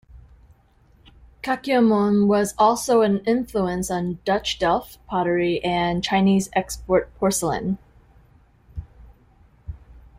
Kakiemon was also an influence on Dutch Delft pottery and Chinese export porcelain.